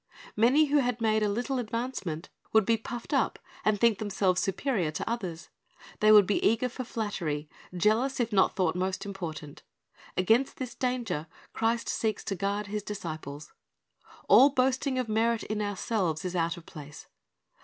Many who had made a little advancement would be puffed up, and think themselves superior to others. They would be eager for flatter}^ jealous if not thougiit most important. Against this danger Christ seeks to guard His disciples. All boasting of merit in ourselves is out of place.